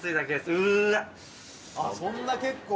あっそんな結構。